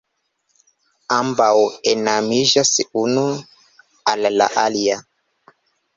Ambaŭ enamiĝas unu al la alia.